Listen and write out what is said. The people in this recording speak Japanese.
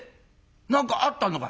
何かあったのかい？』。